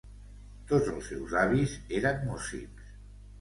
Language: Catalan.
Tots els seus avis eren músics.